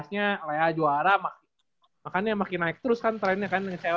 dua ribu tujuh belas nya lea juara makanya makin naik terus kan trend nya kan dengan cewe